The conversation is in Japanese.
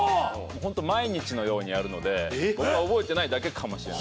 ホント毎日のようにやるので僕が覚えてないだけかもしれないです。